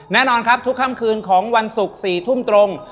แน่นอนครับทุกค่ำคืนของวันศุกร์๔ทุ่มตรง